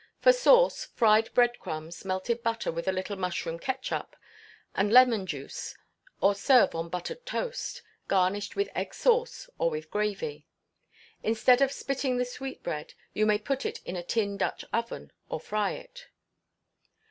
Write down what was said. For sauce, fried bread crumbs, melted butter, with a little mushroom ketchup, and lemon juice, or serve on buttered toast, garnished with egg sauce, or with gravy. Instead of spitting the sweetbread, you may put it into a tin Dutch oven, or fry it.